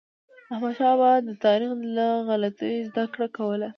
احمدشاه بابا به د تاریخ له غلطیو زدهکړه کوله.